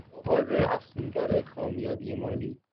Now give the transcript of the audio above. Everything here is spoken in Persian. آواز افسونگر کامیابی مالی